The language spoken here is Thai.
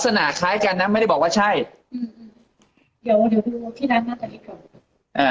แต่หนูจะเอากับน้องเขามาแต่ว่า